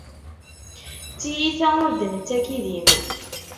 D tiyita ur d-nettak idim.